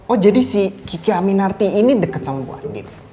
oh jadi si kiki aminarti ini dekat sama bu adit